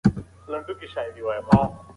د چای پروسس د هغه پر ځانګړتیاوو اغېز کوي.